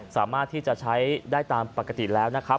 สามารถที่จะใช้ได้ตามปกติแล้วนะครับ